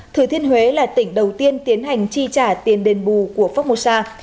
thừa thiên huế là tỉnh đầu tiên tiến hành chi trả tiền đền bù của phúc một sa